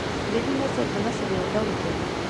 دیني نثر د نثر يو ډول دﺉ.